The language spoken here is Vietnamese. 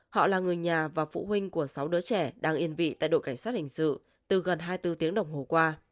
họ là người nhà và phụ huynh của sáu đứa trẻ đang yên vị tại đội cảnh sát hình sự từ gần hai mươi bốn tiếng đồng hồ qua